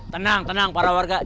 tenang tenang para warga